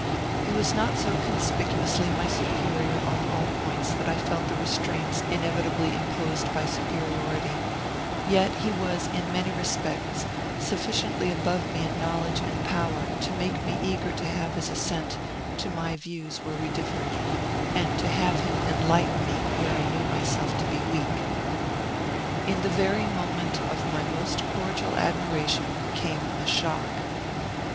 He was not so conspicuously my superior on all points that I felt the restraints inevitably imposed by superiority; yet he was in many respects sufficiently above me in knowledge and power to make me eager to have his assent to my views where we differed, and to have him enlighten me where I knew myself to be weak. In the very moment of my most cordial admiration came a shock.